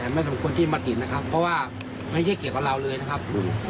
ไม่สมควรที่มาติดนะครับเพราะว่าไม่ใช่เกี่ยวกับเราเลยนะครับ